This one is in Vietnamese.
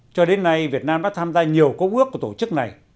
cho đến nay việt nam đã tham gia nhiều công ước của tổ chức này